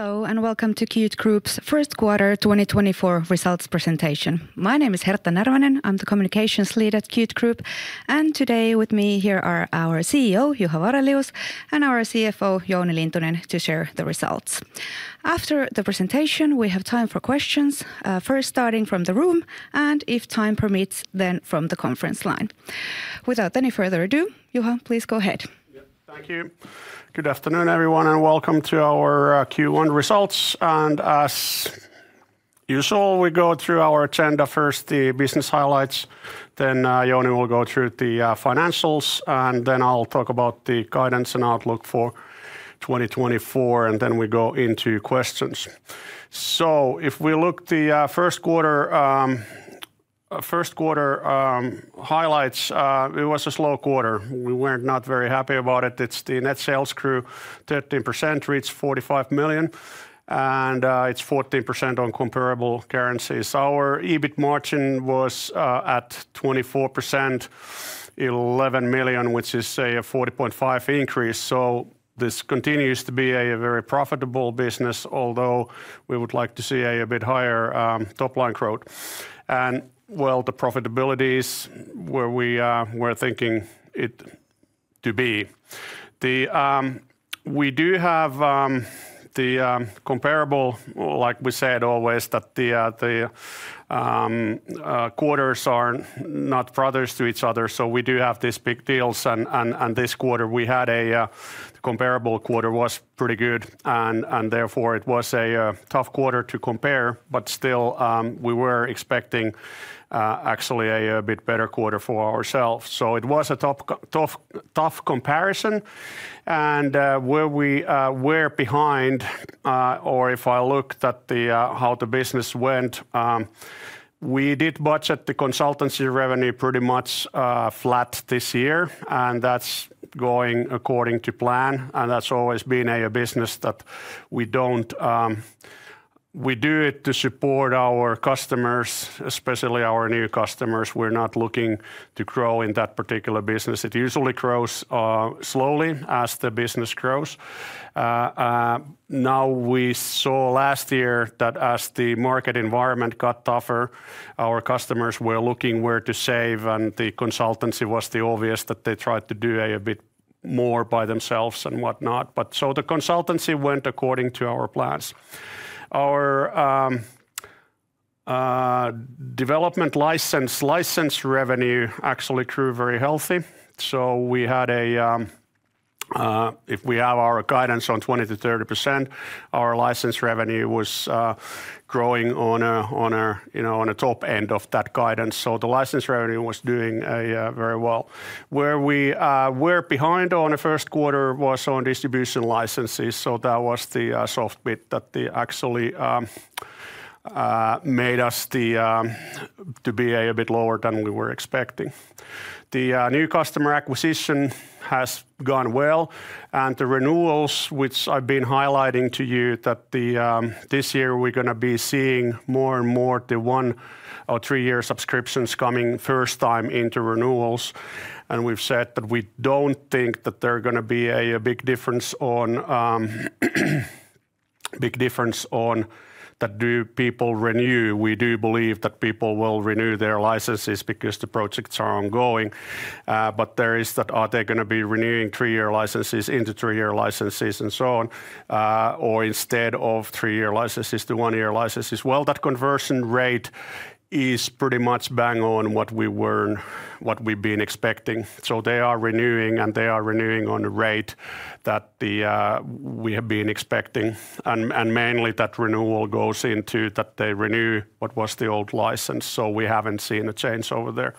Hello and welcome to Qt Group's first quarter 2024 results presentation. My name is Hertta Närvänen, I'm the Communications Lead at Qt Group, and today with me here are our CEO Juha Varelius and our CFO Jouni Lintunen to share the results. After the presentation we have time for questions, first starting from the room and if time permits then from the conference line. Without any further ado, Juha, please go ahead. Thank you. Good afternoon, everyone, and welcome to our Q1 results. As usual, we go through our agenda: first the business highlights, then Jouni will go through the financials, and then I'll talk about the guidance and outlook for 2024, and then we go into questions. So if we look at the first quarter highlights, it was a slow quarter. We weren't not very happy about it. Net sales grew 13%, reached 45 million, and it is 14% on comparable currencies. Our EBIT margin was at 24%, 11 million, which is a 40.5% increase. So this continues to be a very profitable business, although we would like to see a bit higher top line growth. Well, the profitability is where we were thinking it to be. We do have the comparable, like we said always, that the quarters are not brothers to each other. So, we do have these big deals, and this quarter we had a comparable quarter was pretty good and therefore it was a tough quarter to compare, but still we were expecting actually a bit better quarter for ourselves. So it was a tough comparison. And where we were behind, or if I looked at how the business went, we did budget the consultancy revenue pretty much flat this year and that's going according to plan. And that's always been a business that we don't do it to support our customers, especially our new customers. We're not looking to grow in that particular business. It usually grows slowly as the business grows. Now we saw last year that as the market environment got tougher, our customers were looking where to save and the consultancy was the obvious that they tried to do a bit more by themselves and whatnot. The consultancy went according to our plans. Our development license revenue actually grew very healthy. So we had, if we have our guidance on 20%-30%, our license revenue was growing on the top end of that guidance. So the license revenue was doing very well. Where we were behind on the first quarter was on distribution licenses. So that was the soft bit that actually made us to be a bit lower than we were expecting. The new customer acquisition has gone well and the renewals, which I've been highlighting to you, that this year we're going to be seeing more and more the one or three-year subscriptions coming first time into renewals. We've said that we don't think that there's going to be a big difference on that do people renew. We do believe that people will renew their licenses because the projects are ongoing. But there is that, are they going to be renewing three-year licenses into three-year licenses and so on? Or instead of three-year licenses to one-year licenses? Well, that conversion rate is pretty much bang on what we've been expecting. So they are renewing and they are renewing on the rate that we have been expecting. And mainly that renewal goes into that they renew what was the old license. So we haven't seen a change over there.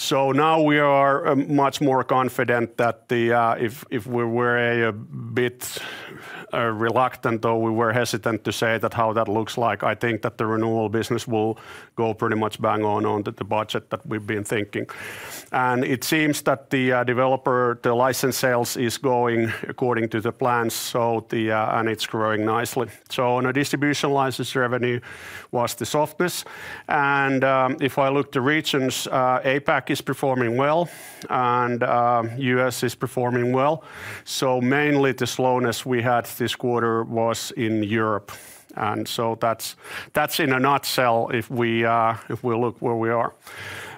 So now we are much more confident that if we were a bit reluctant, though we were hesitant to say how that looks like, I think that the renewal business will go pretty much bang on the budget that we've been thinking. It seems that the developer license sales is going according to the plans and it's growing nicely. So on the distribution license revenue was the softness. And if I look at the regions, APAC is performing well and the U.S. is performing well. So mainly the slowness we had this quarter was in Europe. And so that's in a nutshell if we look where we are.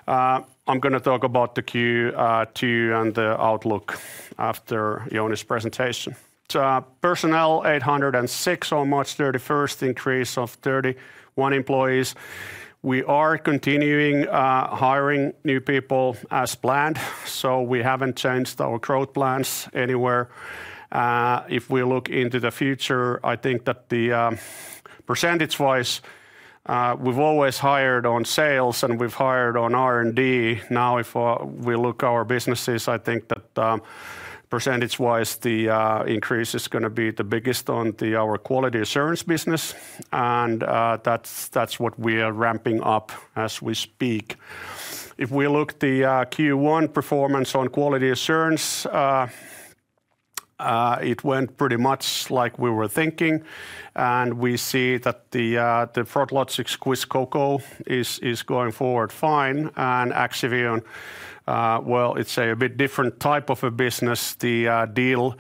I'm going to talk about the Q2 and the outlook after Jouni's presentation. Personnel 806 on March 31st, increase of 31 employees. We are continuing hiring new people as planned. So we haven't changed our growth plans anywhere. If we look into the future, I think that percentage-wise we've always hired on sales and we've hired on R&D. Now if we look at our businesses, I think that percentage-wise the increase is going to be the biggest on our quality assurance business. That's what we are ramping up as we speak. If we look at the Q1 performance on quality assurance, it went pretty much like we were thinking. We see that the Froglogic Squish Coco is going forward fine and Axivion, well, it's a bit different type of a business. The deal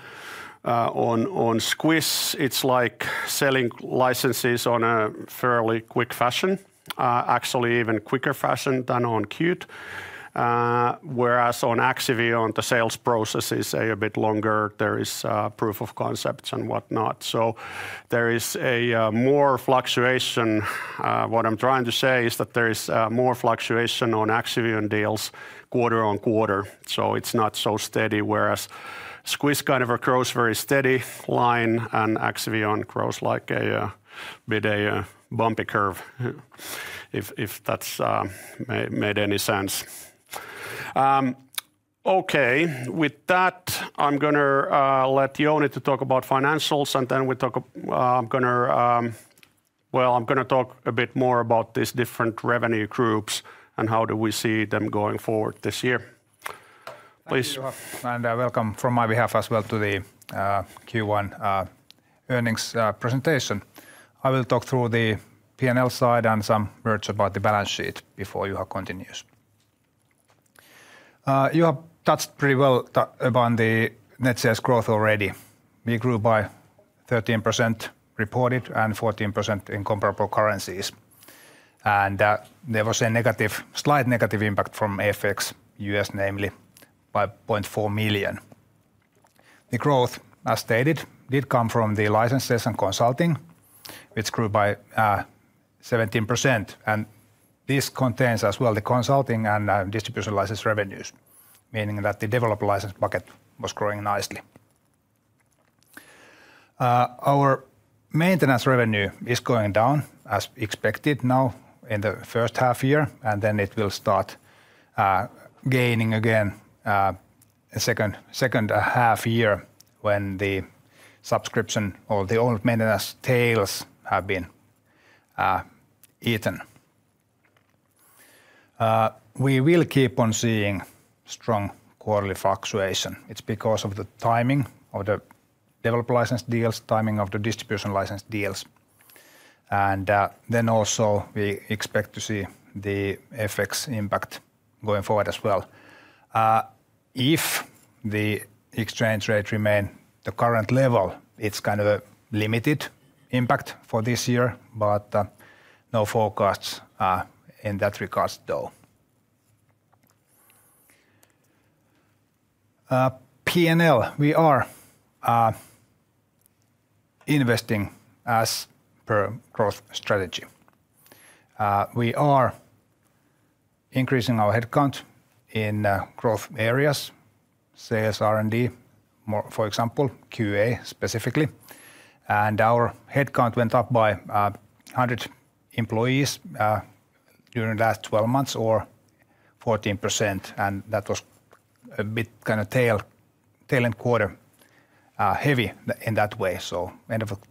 on Squish, it's like selling licenses on a fairly quick fashion. Actually even quicker fashion than on Qt. Whereas on Axivion the sales process is a bit longer. There is proof of concept and whatnot. So there is more fluctuation. What I'm trying to say is that there is more fluctuation on Axivion deals quarter on quarter. So it's not so steady. Whereas Squish kind of grows very steady line and Axivion grows like a bit of a bumpy curve. If that made any sense. Okay, with that I'm going to let Jouni to talk about financials and then we talk about well, I'm going to talk a bit more about these different revenue groups and how do we see them going forward this year. Please. Thank you, Juha. Welcome from my behalf as well to the Q1 earnings presentation. I will talk through the P&L side and some words about the balance sheet before Juha continues. Juha touched pretty well about the net sales growth already. We grew by 13% reported and 14% in comparable currencies. And there was a negative, slight negative impact from FX, U.S. namely by 0.4 million. The growth, as stated, did come from the licenses and consulting, which grew by 17%. And this contains as well the consulting and distribution license revenues. Meaning that the developer license bucket was growing nicely. Our maintenance revenue is going down as expected now in the first half year and then it will start gaining again in the second half year when the subscription or the old maintenance tails have been eaten. We will keep on seeing strong quarterly fluctuation. It's because of the timing of the development license deals, timing of the distribution license deals. Then also we expect to see the FX impact going forward as well. If the exchange rate remains the current level, it's kind of a limited impact for this year. But no forecasts in that regard though. P&L, we are investing as per growth strategy. We are increasing our headcount in growth areas, sales, R&D, for example, QA specifically. And our headcount went up by 100 employees during the last 12 months or 14%. And that was a bit kind of tail end quarter heavy in that way. So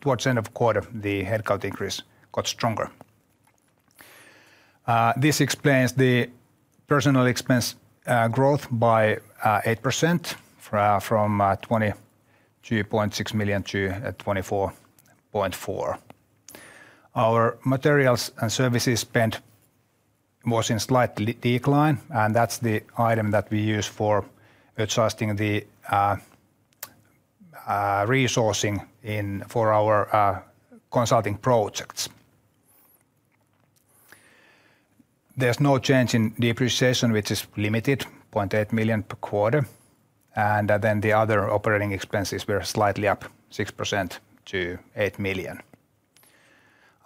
towards the end of the quarter the headcount increase got stronger. This explains the personnel expense growth by 8% from 22.6 million-24.4 million. Our materials and services spend was in slight decline and that's the item that we use for adjusting the resourcing for our consulting projects. There's no change in depreciation, which is limited to 800,000 per quarter. The other operating expenses were slightly up 6% to 8 million.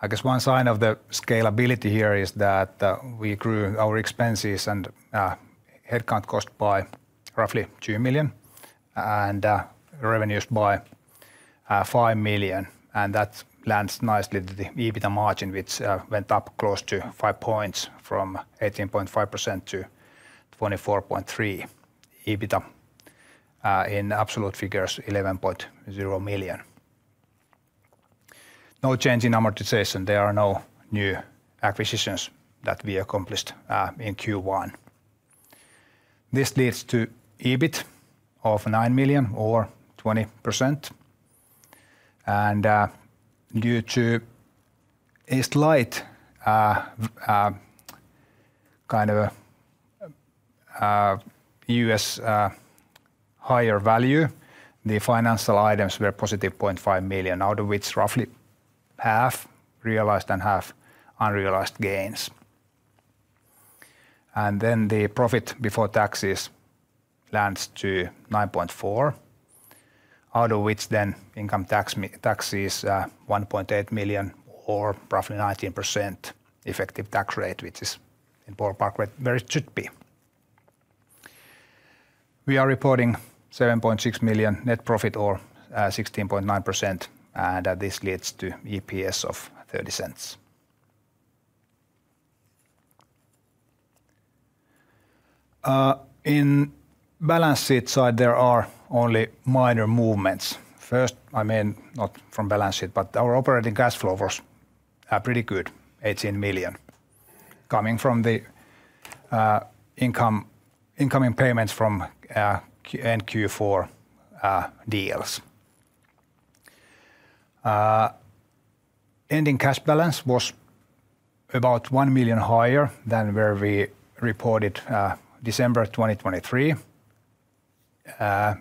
I guess one sign of the scalability here is that we grew our expenses and headcount cost by roughly 2 million and revenues by 5 million. That lands nicely to the EBITDA margin, which went up close to five points from 18.5%-24.3% EBITDA. In absolute figures 11.0 million. No change in amortization. There are no new acquisitions that we accomplished in Q1. This leads to EBIT of 9 million or 20%. Due to a slight kind of USD higher value, the financial items were positive 500,000, out of which roughly half realized and half unrealized gains. The profit before taxes lands to 9.4%. Out of which then income tax is 1.8 million or roughly 19% effective tax rate, which is in the ballpark where it should be. We are reporting 7.6 million net profit or 16.9% and this leads to EPS of 0.30. In balance sheet side there are only minor movements. First, I mean not from balance sheet, but our operating cash flow was pretty good, 18 million. Coming from the incoming payments from end Q4 deals. Ending cash balance was about 1 million higher than where we reported December 2023.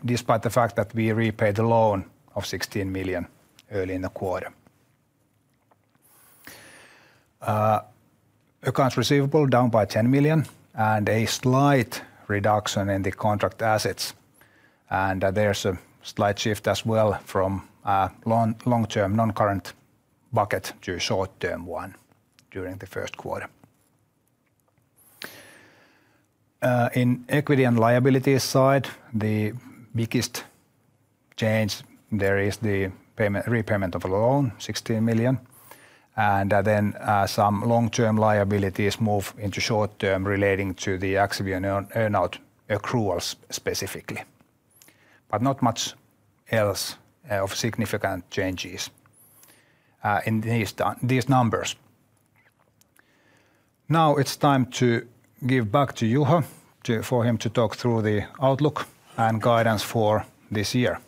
Despite the fact that we repaid the loan of 16 million early in the quarter. Accounts receivable down by 10 million and a slight reduction in the contract assets. There's a slight shift as well from long-term non-current bucket to short-term one during the first quarter. In equity and liabilities side, the biggest change there is the repayment of a loan, 16 million. And then some long-term liabilities move into short-term relating to the Axivion earnout accruals specifically. But not much else of significant changes in these numbers. Now it's time to give back to Juha for him to talk through the outlook and guidance for this year.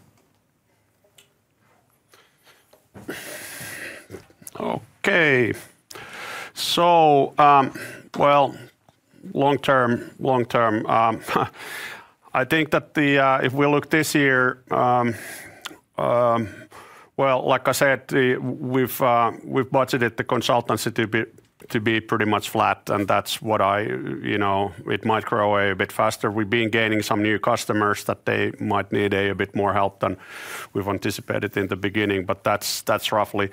Okay. So well, long-term, long-term I think that if we look this year well, like I said, we've budgeted the consultancy to be pretty much flat and that's what it might grow a bit faster. We've been gaining some new customers that they might need a bit more help than we've anticipated in the beginning. But that's roughly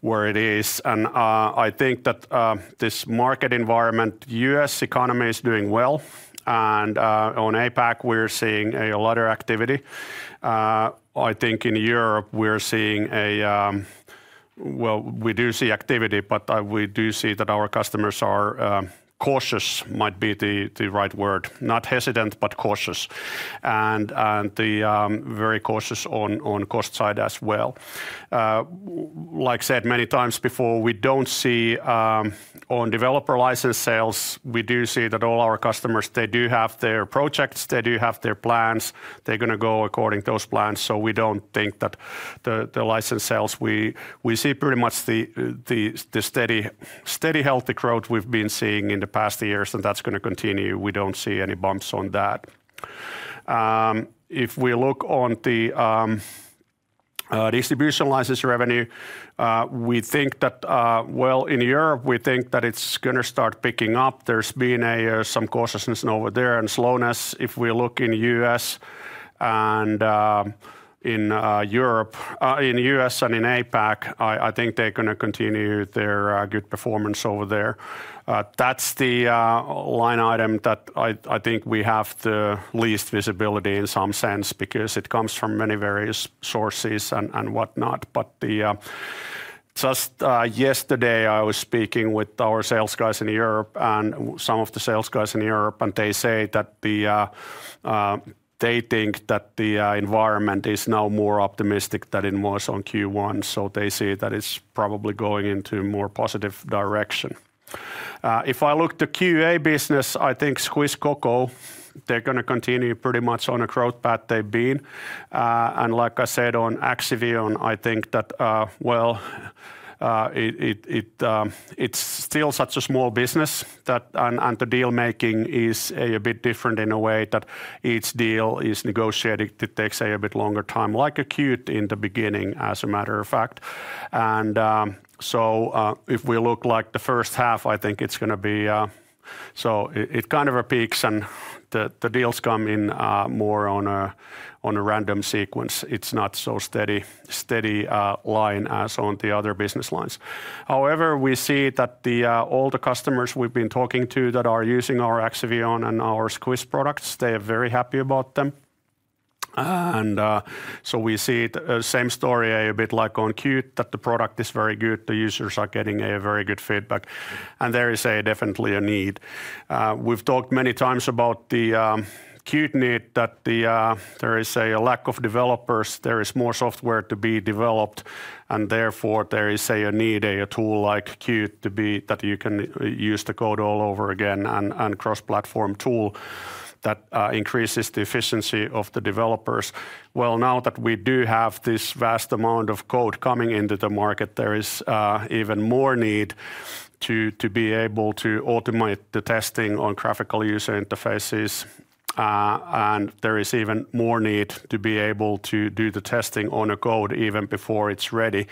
where it is. And I think that this market environment, U.S. economy is doing well. And on APAC we're seeing a lot of activity. I think in Europe we're seeing, well, we do see activity, but we do see that our customers are cautious, might be the right word. Not hesitant, but cautious. And very cautious on cost side as well. Like said many times before, we don't see on developer license sales, we do see that all our customers, they do have their projects, they do have their plans. They're going to go according to those plans. So we don't think that the license sales, we see pretty much the steady, healthy growth we've been seeing in the past years and that's going to continue. We don't see any bumps on that. If we look on the distribution license revenue, we think that, well, in Europe we think that it's going to start picking up. There's been some cautiousness over there and slowness. If we look in U.S. and in Europe in U.S. and in APAC, I think they're going to continue their good performance over there. That's the line item that I think we have the least visibility in some sense because it comes from many various sources and whatnot. But just yesterday I was speaking with our sales guys in Europe and some of the sales guys in Europe and they say that they think that the environment is now more optimistic than it was on Q1. So they see that it's probably going into more positive direction. If I look at the QA business, I think Squish, Coco, they're going to continue pretty much on a growth path they've been. Like I said on Axivion, I think that, well, it's still such a small business and the deal making is a bit different in a way that each deal is negotiated. It takes a bit longer time like a Qt in the beginning, as a matter of fact. So if we look like the first half, I think it's going to be so it kind of peaks and the deals come in more on a random sequence. It's not so steady line as on the other business lines. However, we see that all the customers we've been talking to that are using our Axivion and our Squish products, they are very happy about them. So we see the same story a bit like on Qt, that the product is very good, the users are getting a very good feedback. And there is definitely a need. We've talked many times about the Qt need, that there is a lack of developers, there is more software to be developed and therefore there is a need a tool like Qt to be that you can use the code all over again and cross-platform tool that increases the efficiency of the developers. Well, now that we do have this vast amount of code coming into the market, there is even more need to be able to automate the testing on graphical user interfaces. And there is even more need to be able to do the testing on a code even before it's ready.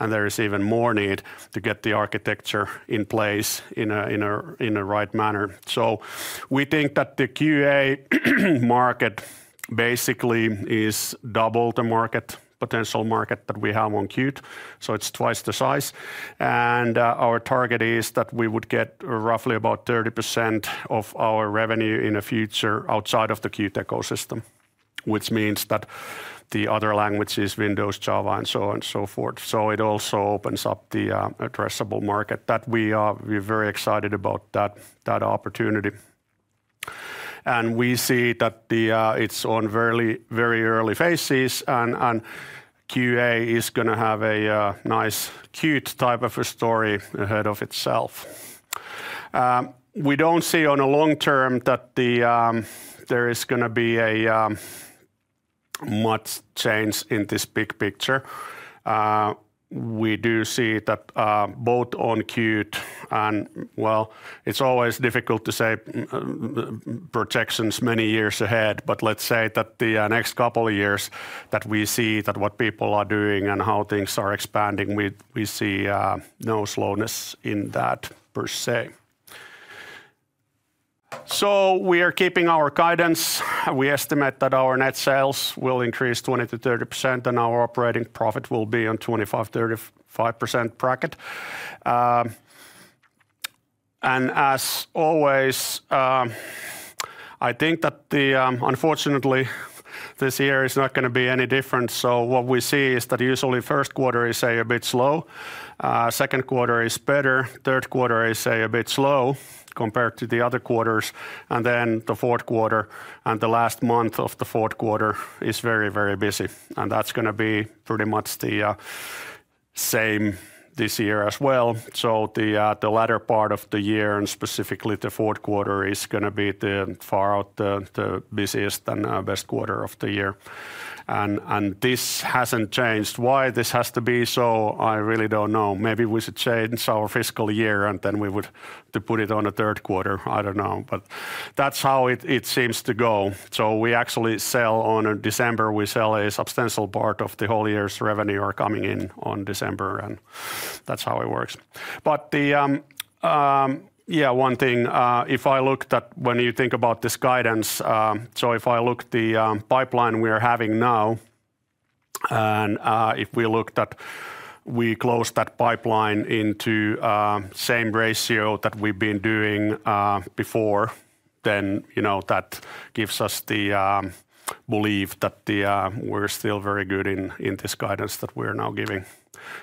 And there is even more need to get the architecture in place in a right manner. So we think that the QA market basically is double the market, potential market that we have on Qt. So it's twice the size. Our target is that we would get roughly about 30% of our revenue in the future outside of the Qt ecosystem. Which means that the other languages, Windows, Java and so on and so forth. It also opens up the addressable market that we are very excited about that opportunity. We see that it's on very early phases and QA is going to have a nice Qt type of a story ahead of itself. We don't see on the long term that there is going to be a much change in this big picture. We do see that both on Qt and well, it's always difficult to say projections many years ahead. But let's say that the next couple of years that we see that what people are doing and how things are expanding, we see no slowness in that per se. So we are keeping our guidance. We estimate that our net sales will increase 20%-30% and our operating profit will be on 25%-35% bracket. And as always, I think that unfortunately this year is not going to be any different. So what we see is that usually first quarter is a bit slow. Second quarter is better. Third quarter is a bit slow compared to the other quarters. And then the fourth quarter and the last month of the fourth quarter is very, very busy. And that's going to be pretty much the same this year as well. So the latter part of the year and specifically the fourth quarter is going to be far out the busiest and best quarter of the year. And this hasn't changed. Why this has to be so, I really don't know. Maybe we should change our fiscal year, and then we would put it on the third quarter. I don't know. But that's how it seems to go. So we actually sell on December, we sell a substantial part of the whole year's revenue are coming in on December. And that's how it works. But yeah, one thing, if I looked at when you think about this guidance, so if I look at the pipeline we are having now and if we looked at we closed that pipeline into same ratio that we've been doing before, then that gives us the belief that we're still very good in this guidance that we are now giving.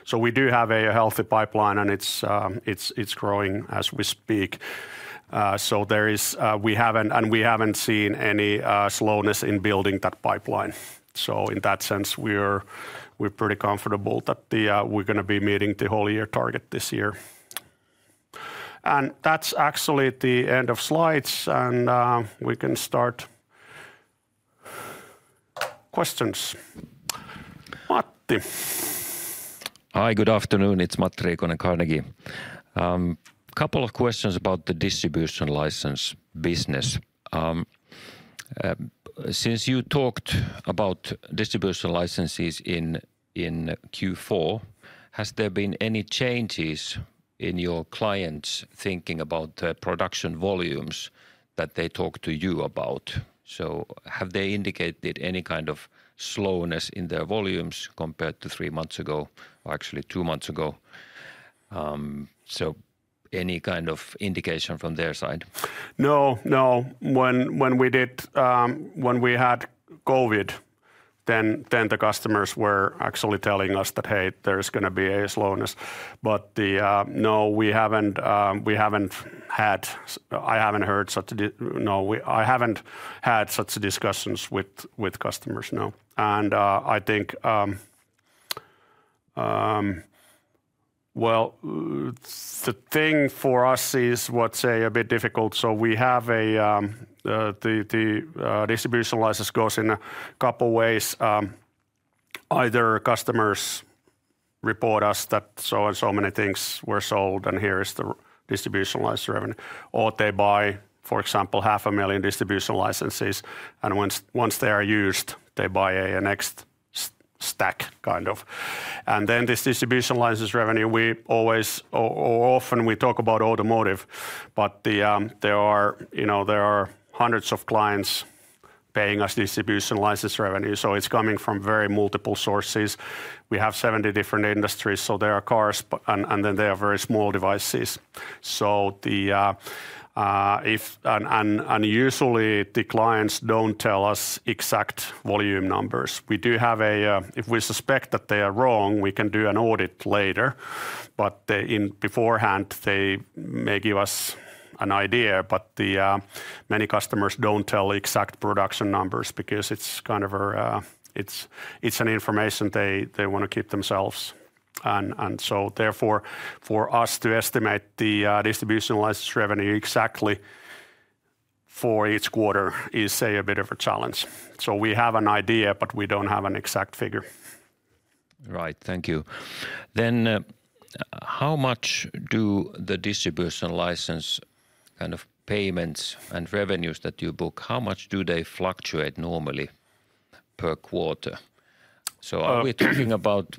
So we do have a healthy pipeline, and it's growing as we speak. So there is we haven't and we haven't seen any slowness in building that pipeline. In that sense we're pretty comfortable that we're going to be meeting the whole year target this year. That's actually the end of slides and we can start questions. Matti. Hi, good afternoon. It's Matti Riikonen, Carnegie. A couple of questions about the distribution license business. Since you talked about distribution licenses in Q4, has there been any changes in your clients' thinking about their production volumes that they talk to you about? So have they indicated any kind of slowness in their volumes compared to three months ago or actually two months ago? So any kind of indication from their side? No, no. When we had COVID, then the customers were actually telling us that, "Hey, there is going to be a slowness." But no, we haven't had. I haven't heard such a. No, I haven't had such discussions with customers, no. And I think, well, the thing for us is what's a bit difficult. So the distribution license goes in a couple of ways. Either customers report us that so and so many things were sold and here is the distribution license revenue. Or they buy, for example, 500,000 distribution licenses and once they are used, they buy a next stack kind of. And then this distribution license revenue, we always or often we talk about automotive. But there are hundreds of clients paying us distribution license revenue. So it's coming from very multiple sources. We have 70 different industries. So there are cars and then there are very small devices. So usually the clients don't tell us exact volume numbers. We do have if we suspect that they are wrong, we can do an audit later. But beforehand, they may give us an idea. But many customers don't tell exact production numbers because it's kind of a it's an information they want to keep themselves. And so therefore for us to estimate the distribution license revenue exactly for each quarter is a bit of a challenge. So we have an idea, but we don't have an exact figure. Right. Thank you. Then how much do the distribution license kind of payments and revenues that you book, how much do they fluctuate normally per quarter? So are we talking about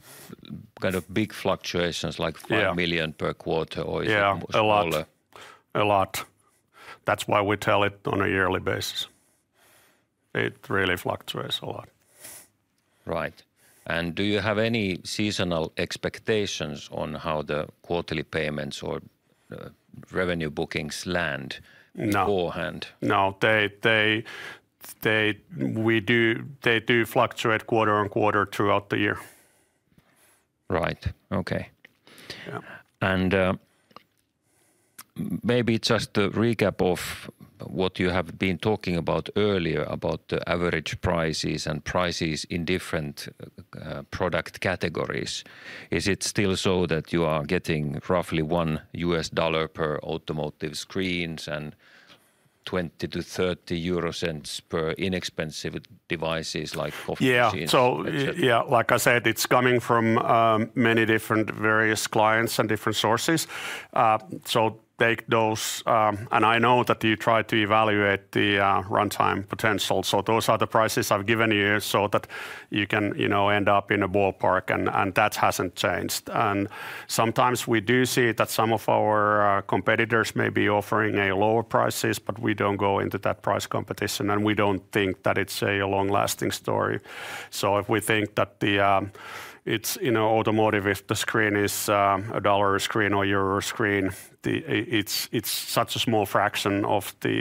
kind of big fluctuations like 5 million per quarter or is it more small? Yeah, a lot. A lot. That's why we tell it on a yearly basis. It really fluctuates a lot. Right. Do you have any seasonal expectations on how the quarterly payments or revenue bookings land beforehand? No, no. They do fluctuate quarter-on-quarter throughout the year. Right. Okay. Maybe just to recap of what you have been talking about earlier about the average prices and prices in different product categories. Is it still so that you are getting roughly $1 per automotive screens and 0.20-0.30 euro per inexpensive devices like coffee machines? Yeah. So yeah, like I said, it's coming from many different various clients and different sources. So take those and I know that you try to evaluate the runtime potential. So those are the prices I've given you so that you can end up in a ballpark and that hasn't changed. And sometimes we do see that some of our competitors may be offering lower prices, but we don't go into that price competition and we don't think that it's a long-lasting story. So if we think that it's in automotive, if the screen is a $1 screen or €1 screen, it's such a small fraction of the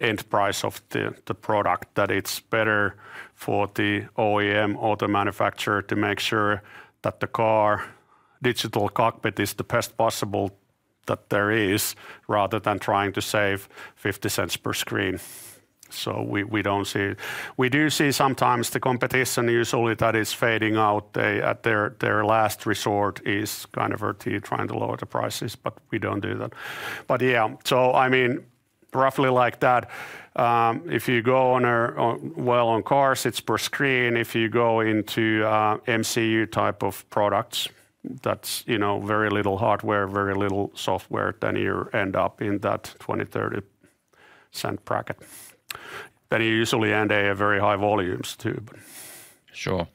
end price of the product that it's better for the OEM, auto manufacturer to make sure that the car digital cockpit is the best possible that there is rather than trying to save $0.50 per screen. So we don't see it. We do see sometimes the competition usually that is fading out. At their last resort is kind of trying to lower the prices, but we don't do that. But yeah, so I mean roughly like that. If you go on, well, on cars, it's per screen. If you go into MCU type of products, that's very little hardware, very little software, then you end up in that 0.20-0.30 bracket. Then you usually end up in very high volumes too. Sure.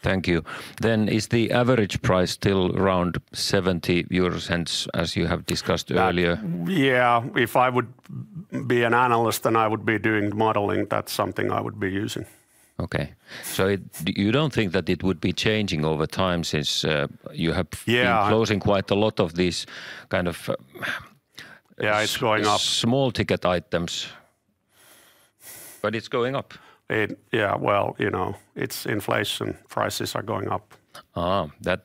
Thank you. Then is the average price still around 0.70 euros as you have discussed earlier? Yeah. If I would be an analyst and I would be doing modeling, that's something I would be using. Okay. So you don't think that it would be changing over time since you have been closing quite a lot of these kind of small ticket items? Yeah, it's going up. But it's going up. Yeah. Well, you know it's inflation. Prices are going up.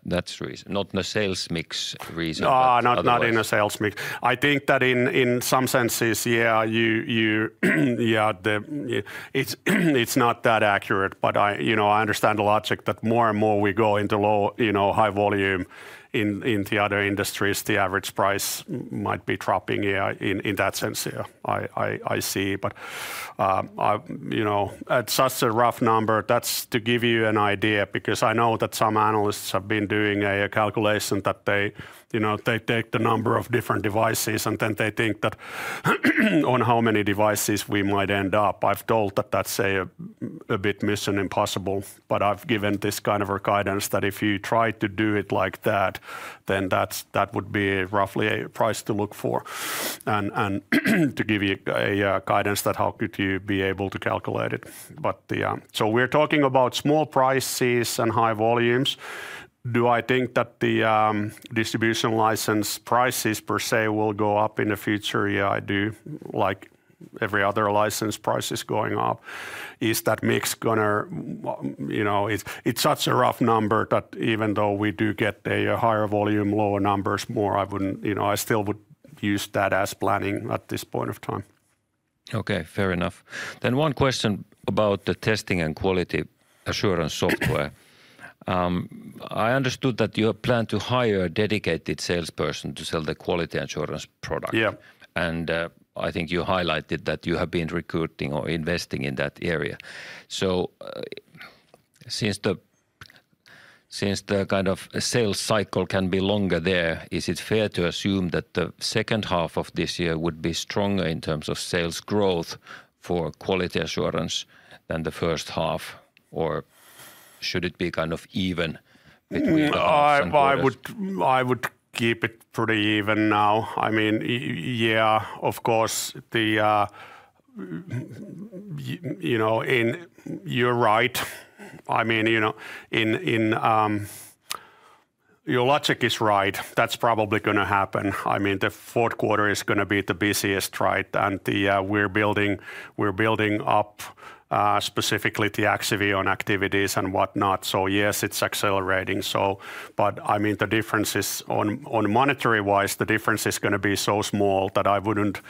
That's not the sales mix reason. No, not in a sales mix. I think that in some senses, yeah, you yeah, it's not that accurate. But I understand the logic that more and more we go into low high volume in the other industries, the average price might be dropping here in that sense. Yeah, I see. But you know at such a rough number, that's to give you an idea because I know that some analysts have been doing a calculation that they take the number of different devices and then they think that on how many devices we might end up. I've told that that's a bit mission impossible. But I've given this kind of a guidance that if you try to do it like that, then that would be roughly a price to look for. And to give you a guidance that how could you be able to calculate it. But so we're talking about small prices and high volumes. Do I think that the distribution license prices per se will go up in the future? Yeah, I do. Like every other license price is going up. Is that mix going to, you know, it's such a rough number that even though we do get a higher volume, lower numbers more, I wouldn't—I still would use that as planning at this point of time. Okay. Fair enough. Then one question about the testing and quality assurance software. I understood that you have planned to hire a dedicated salesperson to sell the quality assurance product. And I think you highlighted that you have been recruiting or investing in that area. So since the kind of sales cycle can be longer there, is it fair to assume that the second half of this year would be stronger in terms of sales growth for quality assurance than the first half? Or should it be kind of even between the halves? I would keep it pretty even now. I mean, yeah, of course, you know, you're right. I mean, you know, your logic is right. That's probably going to happen. I mean, the fourth quarter is going to be the busiest, right? And we're building up specifically the Axivion activities and whatnot. So yes, it's accelerating. So but I mean, the difference is, monetary-wise, the difference is going to be so small that I wouldn't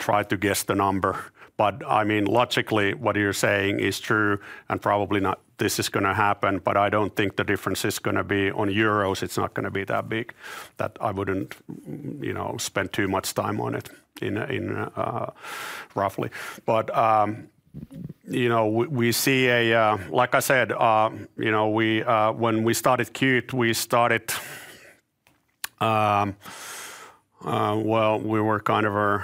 try to guess the number. But I mean, logically what you're saying is true and probably not this is going to happen. But I don't think the difference is going to be on euros. It's not going to be that big that I wouldn't spend too much time on it roughly. But you know, we see, like I said, you know, when we started Qt, we started well. We were kind of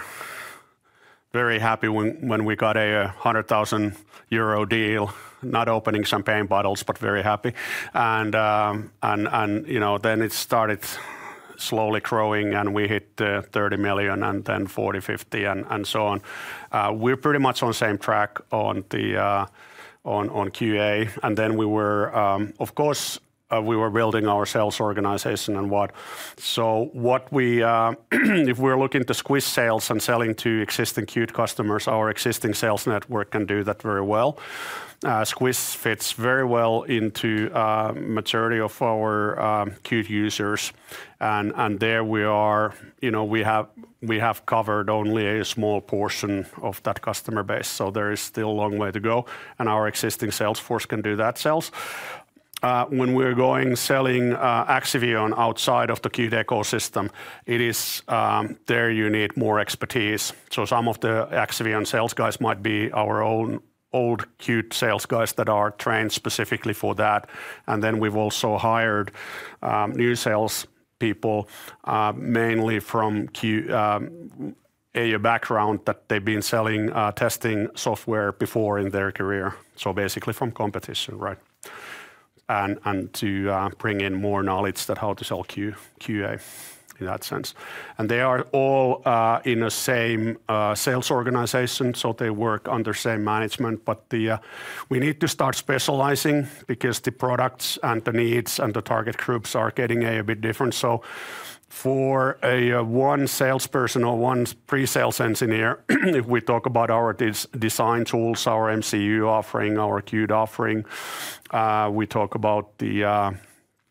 very happy when we got a 100,000 euro deal. Not opening champagne bottles, but very happy. And then it started slowly growing, and we hit 30 million and then 40 million, 50 million and so on. We're pretty much on same track on QA. And then we were, of course, we were building our sales organization. So if we're looking to Squish sales and selling to existing Qt customers, our existing sales network can do that very well. Squish fits very well into majority of our Qt users. And there we are, you know, we have covered only a small portion of that customer base. So there is still a long way to go. And our existing sales force can do that sales. When we're going selling Axivion outside of the Qt ecosystem, it is there you need more expertise. So some of the Axivion sales guys might be our own old Qt sales guys that are trained specifically for that. And then we've also hired new sales people mainly from a background that they've been selling testing software before in their career. So basically from competition, right? And to bring in more knowledge that how to sell QA in that sense. And they are all in the same sales organization. So they work under same management. But we need to start specializing because the products and the needs and the target groups are getting a bit different. So for one salesperson or one pre-sales engineer, if we talk about our design tools, our MCU offering, our Qt offering, we talk about the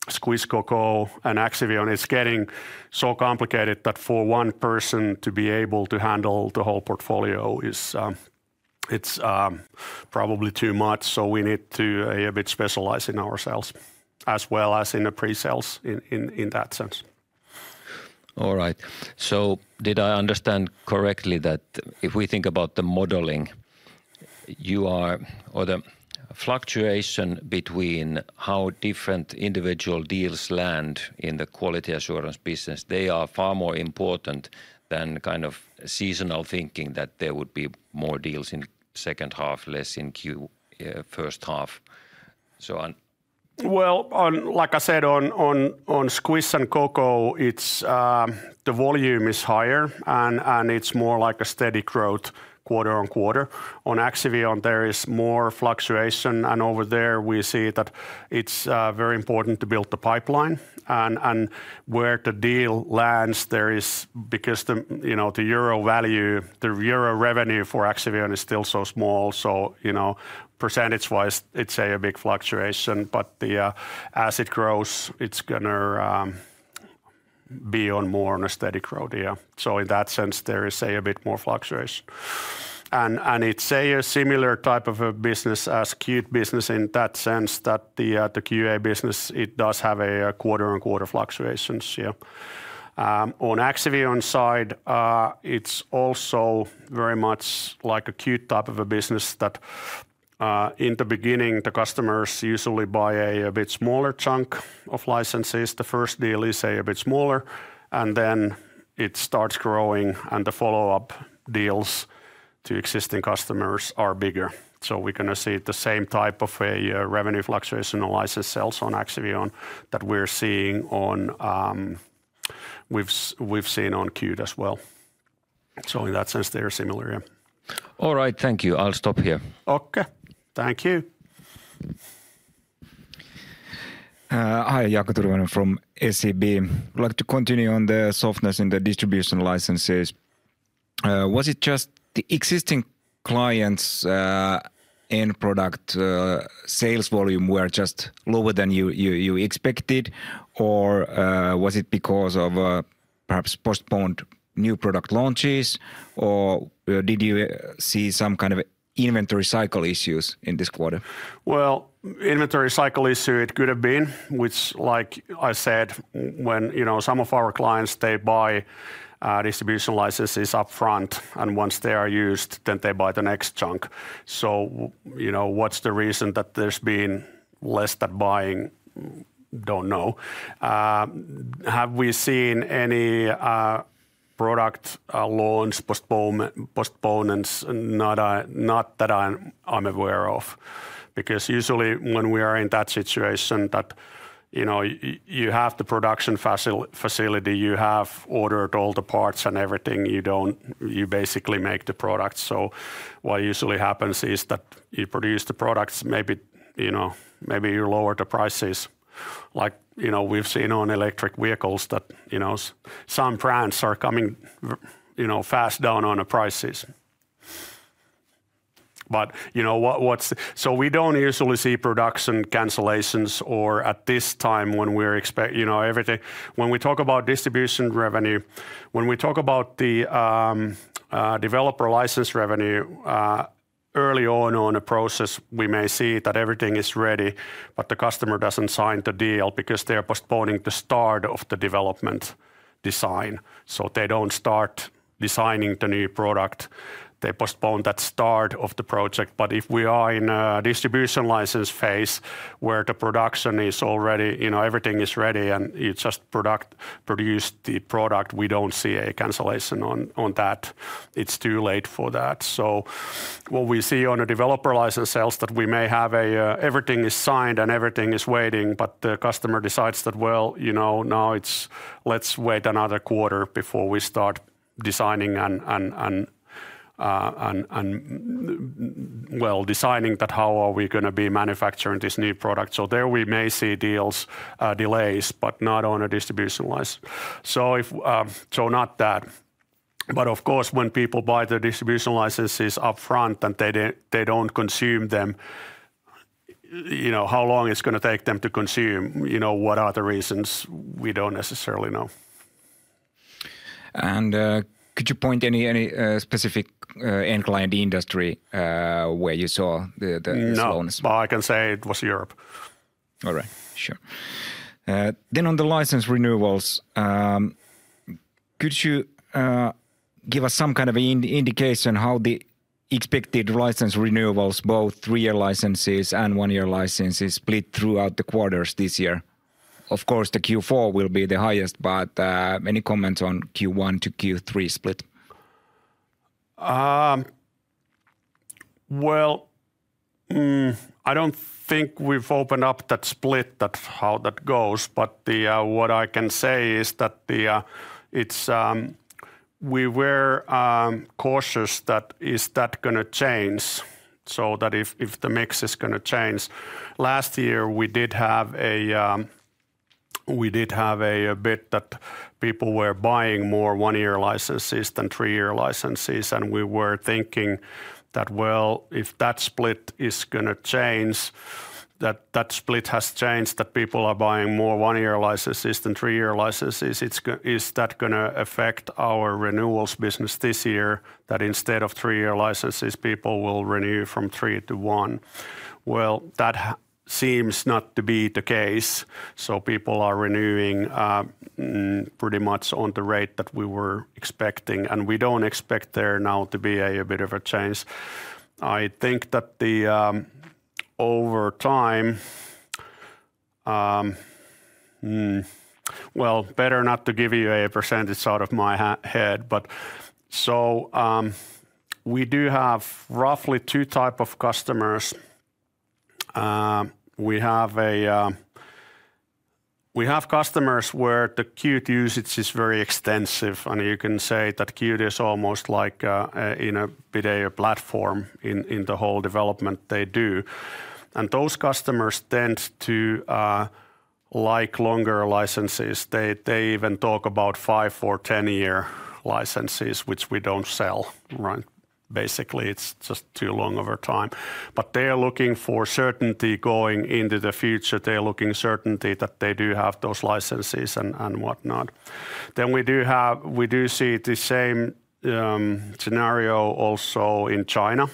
Squish, Coco, and Axivion, it's getting so complicated that for one person to be able to handle the whole portfolio, it's probably too much. So we need to a bit specialize in ourselves as well as in the pre-sales in that sense. All right. So did I understand correctly that if we think about the modeling, the fluctuation between how different individual deals land in the quality assurance business, they are far more important than kind of seasonal thinking that there would be more deals in second half, less in first half? So on. Well, like I said, on Squish and Coco, the volume is higher and it's more like a steady growth quarter on quarter. On Axivion, there is more fluctuation. And over there we see that it's very important to build the pipeline. And where the deal lands, there is because the euro value, the euro revenue for Axivion is still so small. So you know percentage wise, it's a big fluctuation. But as it grows, it's going to be on more on a steady growth. Yeah. So in that sense, there is a bit more fluctuation. And it's a similar type of a business as Qt business in that sense that the QA business, it does have a quarter on quarter fluctuations. Yeah. On Axivion side, it's also very much like a Qt type of a business that in the beginning, the customers usually buy a bit smaller chunk of licenses. The first deal is a bit smaller. And then it starts growing and the follow-up deals to existing customers are bigger. So we're going to see the same type of a revenue fluctuation on license sales on Axivion that we're seeing on we've seen on Qt as well. So in that sense, they are similar. Yeah. All right. Thank you. I'll stop here. Okay. Thank you. Hi. Jaakko Tyrväinen from SEB. I'd like to continue on the softness in the distribution licenses. Was it just the existing clients' end product sales volume were just lower than you expected? Or was it because of perhaps postponed new product launches? Or did you see some kind of inventory cycle issues in this quarter? Well, inventory cycle issue, it could have been, which like I said, when some of our clients, they buy distribution licenses upfront. And once they are used, then they buy the next chunk. So what's the reason that there's been less than buying? Don't know. Have we seen any product launch postponements? Not that I'm aware of. Because usually when we are in that situation that you have the production facility, you have ordered all the parts and everything, you basically make the product. So what usually happens is that you produce the products, maybe you lower the prices. Like we've seen on electric vehicles that some brands are coming fast down on the prices. But you know, so we don't usually see production cancellations or at this time when we're expecting everything. When we talk about distribution revenue, when we talk about the developer license revenue, early on in the process, we may see that everything is ready, but the customer doesn't sign the deal because they're postponing the start of the development design. So they don't start designing the new product. They postpone that start of the project. But if we are in a distribution license phase where the production is already everything is ready and you just produce the product, we don't see a cancellation on that. It's too late for that. So what we see on the developer license sales that we may have everything is signed and everything is waiting, but the customer decides that, well, you know now it's let's wait another quarter before we start designing and well, designing that how are we going to be manufacturing this new product. So there we may see deals delays, but not on a distribution license. So not that. But of course, when people buy the distribution licenses upfront and they don't consume them, you know how long it's going to take them to consume? You know what are the reasons? We don't necessarily know. Could you point any specific end client industry where you saw the loans? No. I can say it was Europe. All right. Sure. Then on the license renewals, could you give us some kind of indication how the expected license renewals, both three-year licenses and one-year licenses, split throughout the quarters this year? Of course, the Q4 will be the highest, but any comments on Q1 to Q3 split? Well, I don't think we've opened up that split that how that goes. But what I can say is that we were cautious that is that going to change? So that if the mix is going to change last year, we did have a bit that people were buying more one-year licenses than three-year licenses. And we were thinking that, well, if that split is going to change, that split has changed, that people are buying more one-year licenses than three-year licenses, is that going to affect our renewals business this year? That instead of three-year licenses, people will renew from three to one? Well, that seems not to be the case. So people are renewing pretty much on the rate that we were expecting. And we don't expect there now to be a bit of a change. I think that over time, well, better not to give you a percentage out of my head. But so we do have roughly two types of customers. We have customers where the Qt usage is very extensive. And you can say that Qt is almost like a bedrock platform in the whole development. They do. And those customers tend to like longer licenses. They even talk about five or 10-year licenses, which we don't sell, right? Basically, it's just too long over time. But they are looking for certainty going into the future. They are looking for certainty that they do have those licenses and whatnot. Then we do see the same scenario also in China.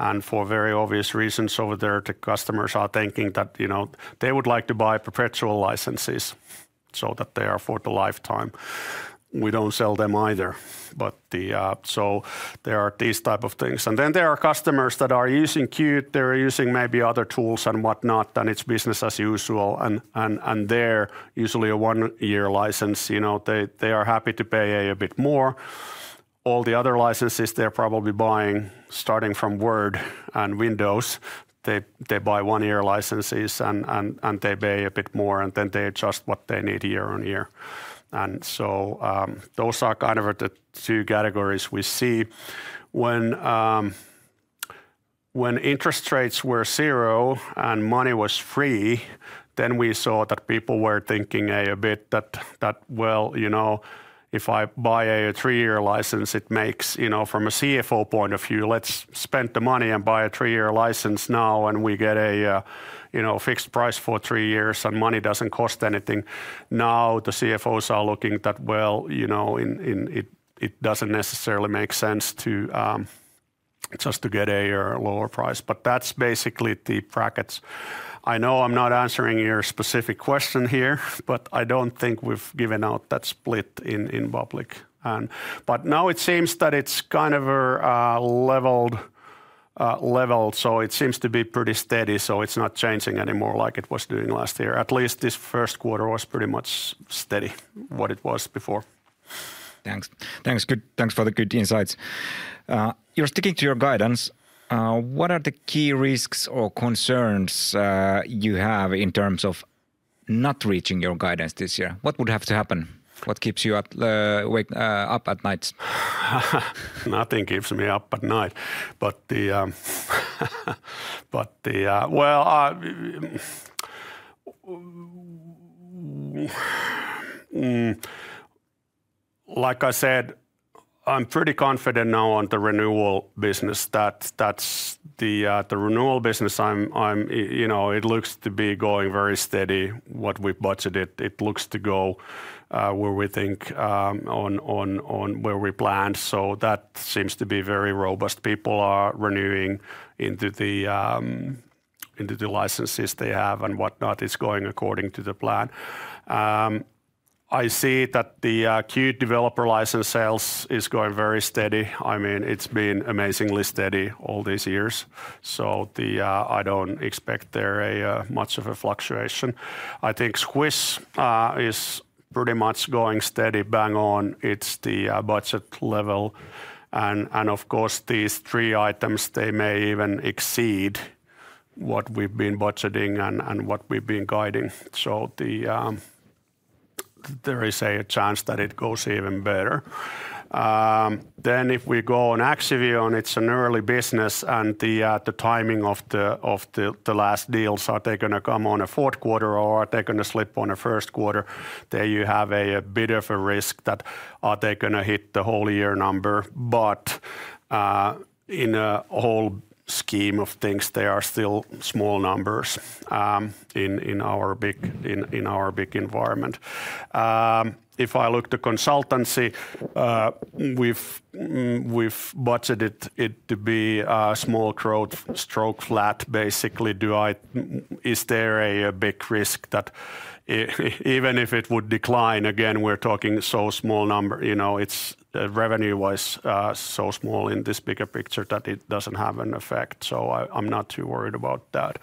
And for very obvious reasons over there, the customers are thinking that they would like to buy perpetual licenses so that they are for the lifetime. We don't sell them either. So there are these types of things. And then there are customers that are using Qt. They are using maybe other tools and whatnot. And it's business as usual. And they're usually a one-year license. They are happy to pay a bit more. All the other licenses, they are probably buying starting from Word and Windows. They buy one-year licenses and they pay a bit more. And then they adjust what they need year-on-year. And so those are kind of the two categories we see. When interest rates were zero and money was free, then we saw that people were thinking a bit that, well, you know if I buy a three-year license, it makes from a CFO point of view, let's spend the money and buy a three-year license now and we get a fixed price for three years and money doesn't cost anything. Now the CFOs are looking that, well, you know it doesn't necessarily make sense just to get a lower price. But that's basically the brackets. I know I'm not answering your specific question here, but I don't think we've given out that split in public. But now it seems that it's kind of leveled. So it seems to be pretty steady. So it's not changing anymore like it was doing last year. At least this first quarter was pretty much steady what it was before. Thanks. Thanks for the good insights. You're sticking to your guidance. What are the key risks or concerns you have in terms of not reaching your guidance this year? What would have to happen? What keeps you up at night? Nothing keeps me up at night. But, well, like I said, I'm pretty confident now on the renewal business. That's the renewal business. It looks to be going very steady. What we budgeted, it looks to go where we think on where we planned. So that seems to be very robust. People are renewing into the licenses they have and whatnot. It's going according to the plan. I see that the Qt developer license sales is going very steady. I mean, it's been amazingly steady all these years. So I don't expect there a much of a fluctuation. I think Squish is pretty much going steady bang on. It's the budget level. And of course, these three items, they may even exceed what we've been budgeting and what we've been guiding. So there is a chance that it goes even better. Then if we go on to Axivion, it's an early business. And the timing of the last deals, are they going to come in the fourth quarter or are they going to slip into the first quarter? There you have a bit of a risk that they are going to hit the whole year number. But in the whole scheme of things, they are still small numbers in our big environment. If I look to consultancy, we've budgeted it to be small to flat basically. Is there a big risk that even if it would decline again, we're talking so small number? It's revenue-wise so small in this bigger picture that it doesn't have an effect. So I'm not too worried about that.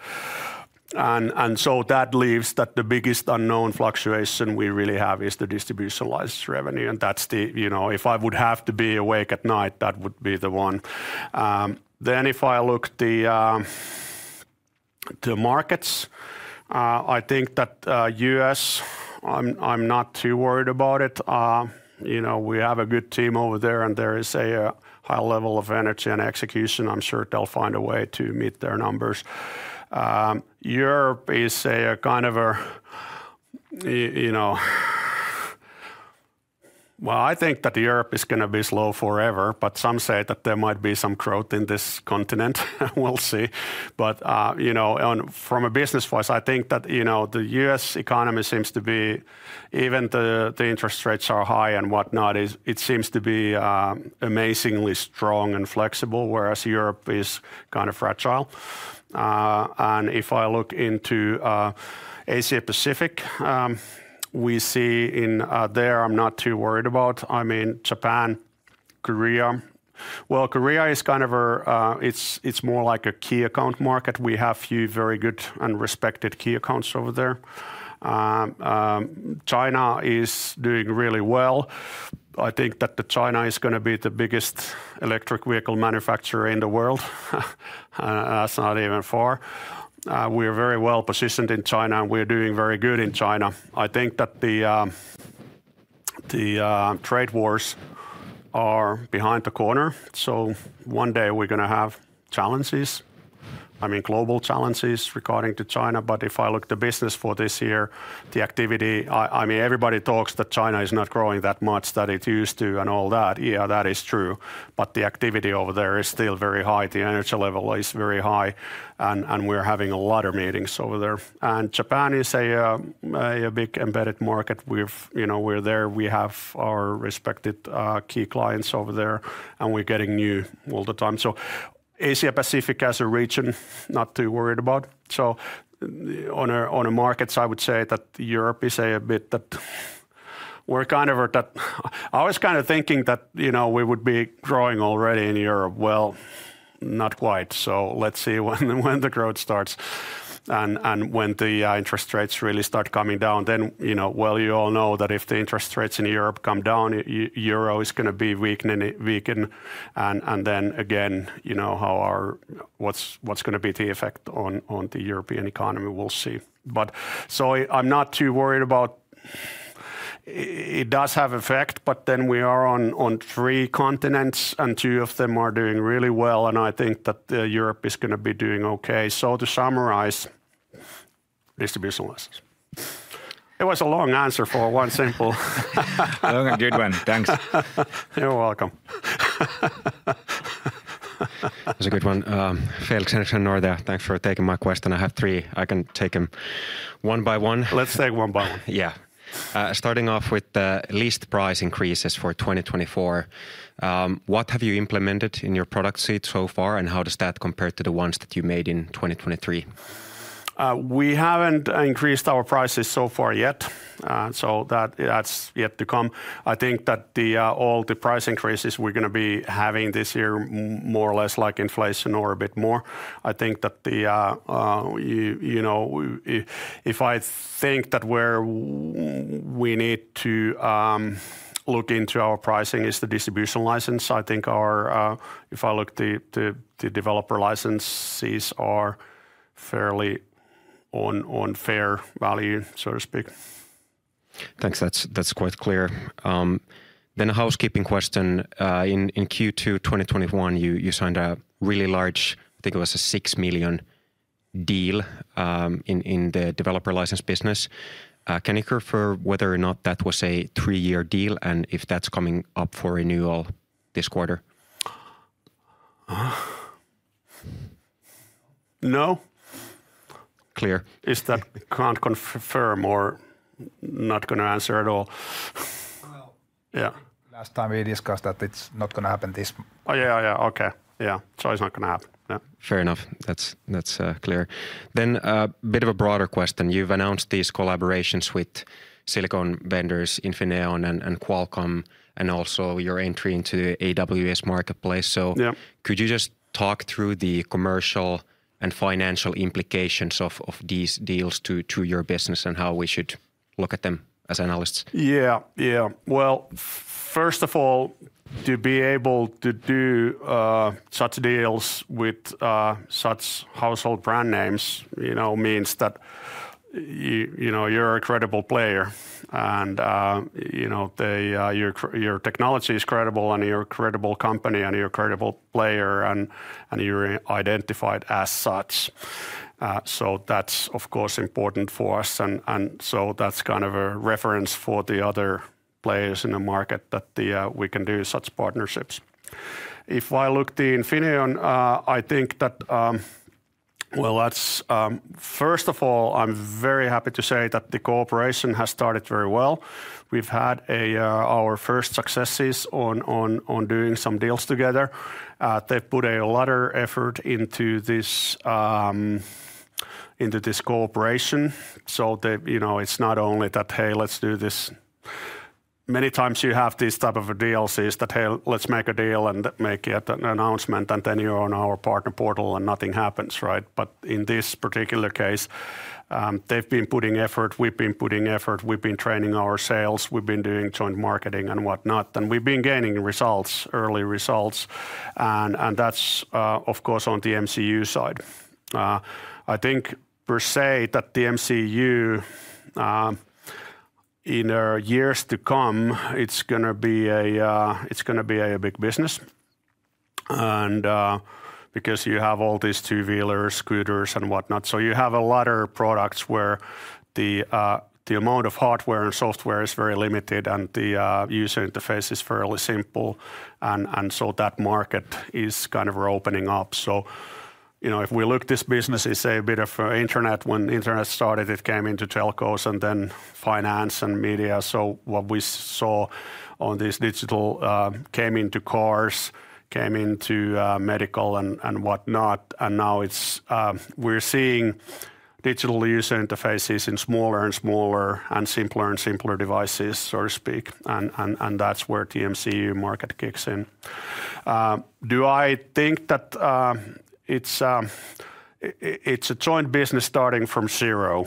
And so that leaves that the biggest unknown fluctuation we really have is the distribution license revenue. And that's the if I would have to be awake at night, that would be the one. Then if I look to markets, I think that U.S., I'm not too worried about it. We have a good team over there and there is a high level of energy and execution. I'm sure they'll find a way to meet their numbers. Europe is a kind of a well, I think that Europe is going to be slow forever. But some say that there might be some growth in this continent. We'll see. But from a business-wise, I think that the U.S. economy seems to be even the interest rates are high and whatnot, it seems to be amazingly strong and flexible, whereas Europe is kind of fragile. And if I look into Asia-Pacific, we see in there, I'm not too worried about. I mean, Japan, Korea. Well, Korea is kind of a it's more like a key account market. We have a few very good and respected key accounts over there. China is doing really well. I think that China is going to be the biggest electric vehicle manufacturer in the world. That's not even far. We are very well positioned in China and we are doing very good in China. I think that the trade wars are behind the corner. So one day we're going to have challenges. I mean, global challenges regarding to China. But if I look to business for this year, the activity I mean, everybody talks that China is not growing that much, that it used to and all that. Yeah, that is true. But the activity over there is still very high. The energy level is very high. And we are having a lot of meetings over there. And Japan is a big embedded market. We're there. We have our respected key clients over there. And we're getting new all the time. So Asia-Pacific as a region, not too worried about. So on the markets, I would say that Europe is a bit that we're kind of at that I was kind of thinking that we would be growing already in Europe. Well, not quite. So let's see when the growth starts and when the interest rates really start coming down. Then well, you all know that if the interest rates in Europe come down, euro is going to be weakened. And then again, you know what's going to be the effect on the European economy? We'll see. But so I'm not too worried about it does have effect. But then we are on three continents and two of them are doing really well. I think that Europe is going to be doing okay. To summarize, distribution license. It was a long answer for one simple. Long and good one. Thanks. You're welcome. That's a good one. Felix Henriksson, Nordea, thanks for taking my question. I have three. I can take them one by one. Let's take one by one. Yeah. Starting off with the list price increases for 2024, what have you implemented in your product suite so far? And how does that compare to the ones that you made in 2023? We haven't increased our prices so far yet. So that's yet to come. I think that all the price increases we're going to be having this year more or less like inflation or a bit more. I think that if I think that where we need to look into our pricing is the distribution license, I think if I look, the developer licenses are fairly on fair value, so to speak. Thanks. That's quite clear. Then a housekeeping question. In Q2 2021, you signed a really large, I think it was, a 6 million deal in the developer license business. Can you confirm whether or not that was a three-year deal and if that's coming up for renewal this quarter? No. Clear. Is that, can't confirm, or not going to answer at all? Well, last time we discussed that it's not going to happen this. Oh, yeah, yeah, yeah. Okay. Yeah. So it's not going to happen. Fair enough. That's clear. Then a bit of a broader question. You've announced these collaborations with silicon vendors Infineon and Qualcomm and also your entry into the AWS Marketplace. So could you just talk through the commercial and financial implications of these deals to your business and how we should look at them as analysts? Yeah, yeah. Well, first of all, to be able to do such deals with such household brand names means that you're a credible player. And your technology is credible and you're a credible company and you're a credible player and you're identified as such. So that's, of course, important for us. And so that's kind of a reference for the other players in the market that we can do such partnerships. If I look to Infineon, I think that well, first of all, I'm very happy to say that the cooperation has started very well. We've had our first successes on doing some deals together. They've put a lot of effort into this cooperation. So it's not only that, "Hey, let's do this." Many times you have these types of deals is that, "Hey, let's make a deal and make an announcement and then you're on our partner portal and nothing happens," right? But in this particular case, they've been putting effort. We've been putting effort. We've been training our sales. We've been doing joint marketing and whatnot. And we've been gaining results, early results. And that's, of course, on the MCU side. I think per se that the MCU in years to come, it's going to be a big business. And because you have all these two-wheelers, scooters and whatnot. So you have a lot of products where the amount of hardware and software is very limited and the user interface is fairly simple. And so that market is kind of opening up. So if we look, this business is a bit of internet. When internet started, it came into telcos and then finance and media. So what we saw on this digital came into cars, came into medical and whatnot. And now we're seeing digital user interfaces in smaller and smaller and simpler and simpler devices, so to speak. And that's where the MCU market kicks in. Do I think that it's a joint business starting from zero?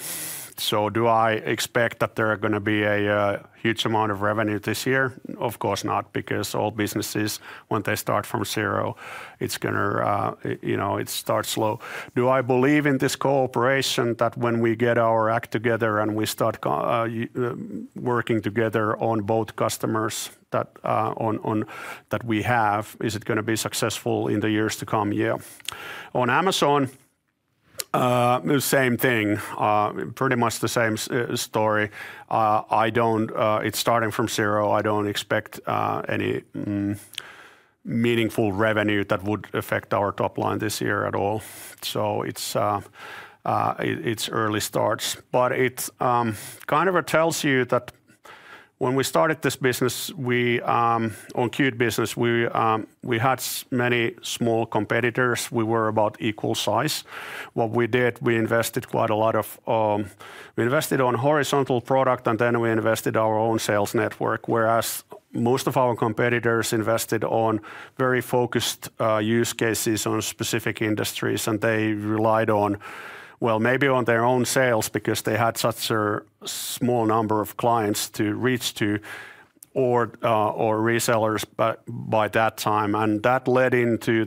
So do I expect that there are going to be a huge amount of revenue this year? Of course not, because all businesses, when they start from zero, it's going to start slow. Do I believe in this cooperation that when we get our act together and we start working together on both customers that we have, is it going to be successful in the years to come? Yeah. On Amazon, same thing. Pretty much the same story. It's starting from zero. I don't expect any meaningful revenue that would affect our top line this year at all. So it's early starts. But it kind of tells you that when we started this business, on Qt business, we had many small competitors. We were about equal size. What we did, we invested quite a lot on horizontal product and then we invested our own sales network. Whereas most of our competitors invested on very focused use cases on specific industries. And they relied on, well, maybe on their own sales because they had such a small number of clients to reach to or resellers by that time. And that led into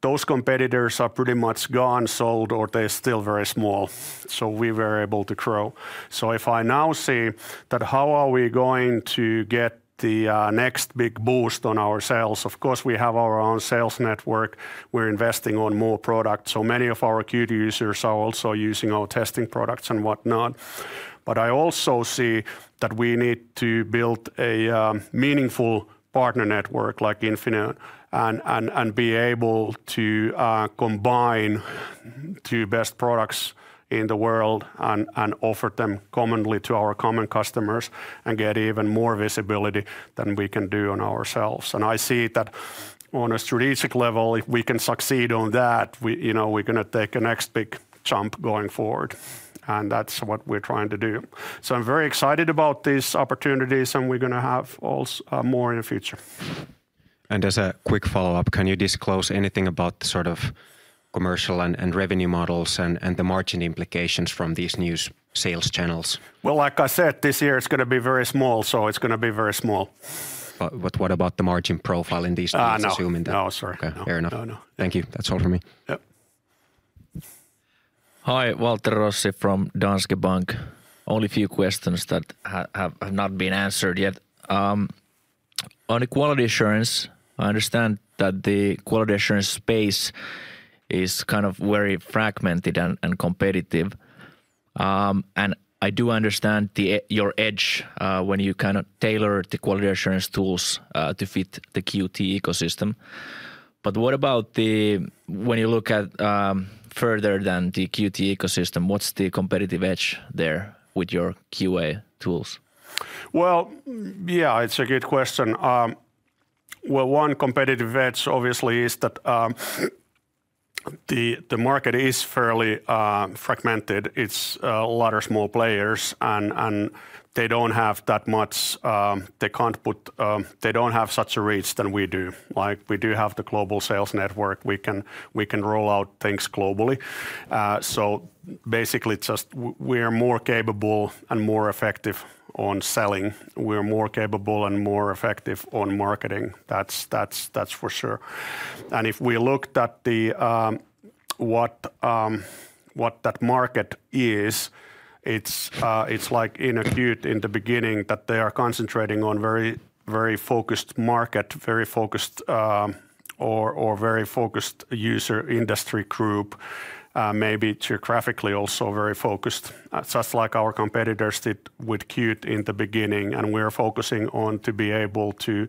those competitors are pretty much gone, sold, or they're still very small. So we were able to grow. So if I now see that how are we going to get the next big boost on our sales? Of course, we have our own sales network. We're investing on more products. So many of our Qt users are also using our testing products and whatnot. But I also see that we need to build a meaningful partner network like Infineon and be able to combine two best products in the world and offer them commonly to our common customers and get even more visibility than we can do on ourselves. And I see that on a strategic level, if we can succeed on that, we're going to take a next big jump going forward. And that's what we're trying to do. So I'm very excited about these opportunities and we're going to have more in the future. As a quick follow-up, can you disclose anything about sort of commercial and revenue models and the margin implications from these new sales channels? Well, like I said, this year it's going to be very small. So it's going to be very small. What about the margin profile in these news? I'm assuming that. No, no, sorry. Fair enough. Thank you. That's all from me. Hi, Waltteri Rossi from Danske Bank. Only a few questions that have not been answered yet. On the quality assurance, I understand that the quality assurance space is kind of very fragmented and competitive. And I do understand your edge when you kind of tailor the quality assurance tools to fit the Qt ecosystem. But what about when you look further than the Qt ecosystem? What's the competitive edge there with your QA tools? Well, yeah, it's a good question. Well, one competitive edge obviously is that the market is fairly fragmented. It's a lot of small players and they don't have that much they can't put they don't have such a reach than we do. We do have the global sales network. We can roll out things globally. So basically just we are more capable and more effective on selling. We are more capable and more effective on marketing. That's for sure. And if we looked at what that market is, it's like in Qt in the beginning that they are concentrating on a very focused market, very focused or very focused user industry group, maybe geographically also very focused, just like our competitors did with Qt in the beginning. And we are focusing on to be able to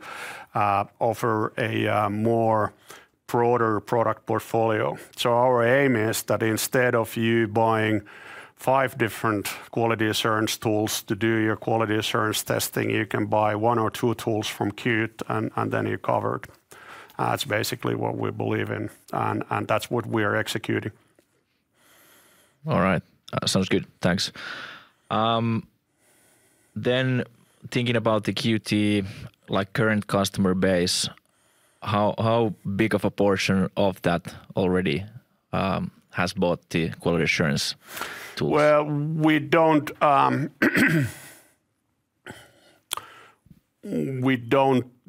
offer a more broader product portfolio. So our aim is that instead of you buying five different quality assurance tools to do your quality assurance testing, you can buy one or two tools from Qt and then you're covered. That's basically what we believe in. And that's what we are executing. All right. Sounds good. Thanks. Then thinking about the Qt current customer base, how big of a portion of that already has bought the quality assurance tools? Well, we don't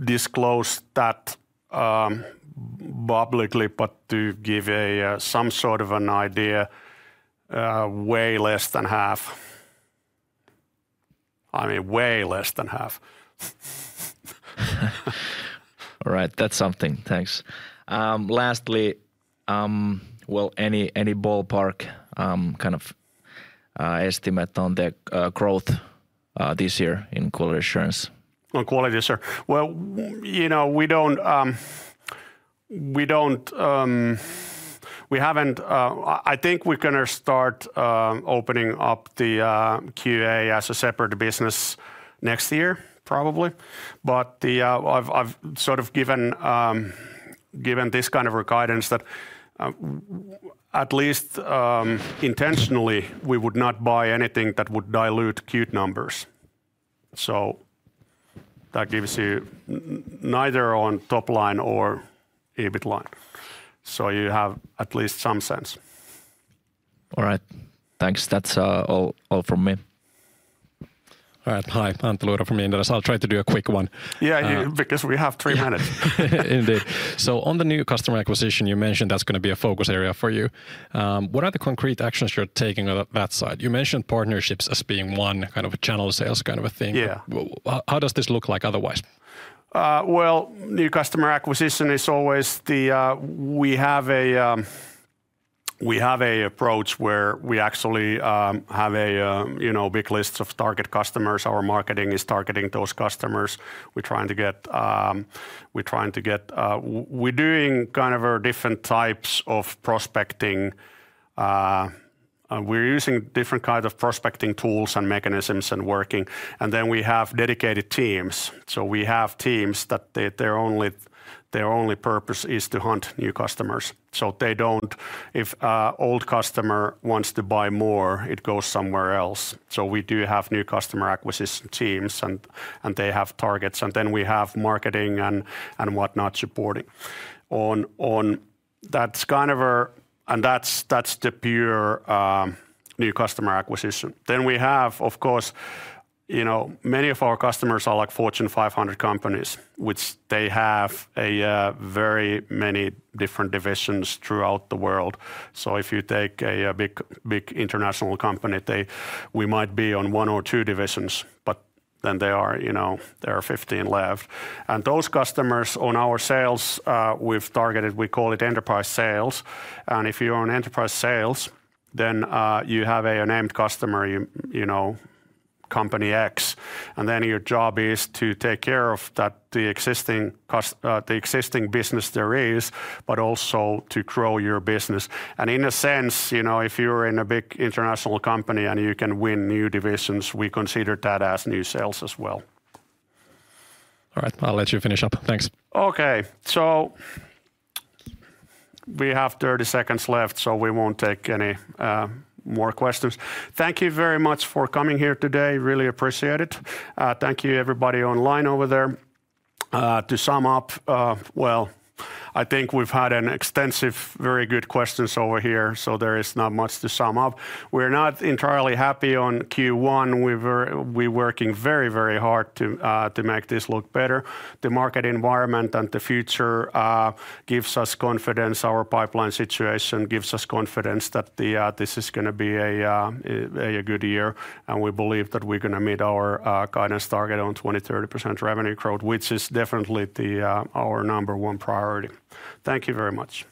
disclose that publicly, but to give some sort of an idea, way less than half. I mean, way less than half. All right. That's something. Thanks. Lastly, well, any ballpark kind of estimate on the growth this year in quality assurance? On quality assurance? Well, you know, we don't. I think we're going to start opening up the QA as a separate business next year, probably. But I've sort of given this kind of guidance that at least intentionally we would not buy anything that would dilute Qt numbers. So that gives you neither on top line or EBIT line. So you have at least some sense. All right. Thanks. That's all from me. All right. Hi, Antti Luiro from Inderes. I'll try to do a quick one. Yeah, because we have three minutes. Indeed. So on the new customer acquisition, you mentioned that's going to be a focus area for you. What are the concrete actions you're taking on that side? You mentioned partnerships as being one kind of channel sales kind of a thing. How does this look like otherwise? Well, new customer acquisition is always. We have an approach where we actually have big lists of target customers. Our marketing is targeting those customers. We're doing kind of different types of prospecting. We're using different kinds of prospecting tools and mechanisms and working. And then we have dedicated teams. So we have teams that their only purpose is to hunt new customers. So if an old customer wants to buy more, it goes somewhere else. So we do have new customer acquisition teams and they have targets. And then we have marketing and whatnot supporting. That's kind of and that's the pure new customer acquisition. Then we have, of course, many of our customers are like Fortune 500 companies, which they have very many different divisions throughout the world. If you take a big international company, we might be on one or two divisions, but then there are 15 left. Those customers on our sales we've targeted we call it enterprise sales. If you're on enterprise sales, then you have a named customer, company X. Then your job is to take care of the existing business there is, but also to grow your business. In a sense, if you're in a big international company and you can win new divisions, we consider that as new sales as well. All right. I'll let you finish up. Thanks. Okay. So we have 30 seconds left, so we won't take any more questions. Thank you very much for coming here today. Really appreciate it. Thank you, everybody online over there. To sum up, well, I think we've had extensive, very good questions over here. So there is not much to sum up. We're not entirely happy on Q1. We're working very, very hard to make this look better. The market environment and the future gives us confidence. Our pipeline situation gives us confidence that this is going to be a good year. And we believe that we're going to meet our guidance target on 20%-30% revenue growth, which is definitely our number one priority. Thank you very much.